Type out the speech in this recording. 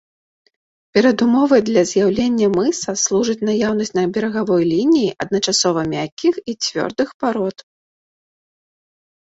Перадумовай для з'яўлення мыса служыць наяўнасць на берагавой лініі адначасова мяккіх і цвёрдых парод.